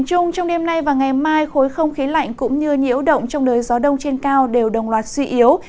trong đêm nay và ngày mai khối không khí lạnh cũng như nhiễu động trong đời gió đông trên cao đều đồng loạt suy yếu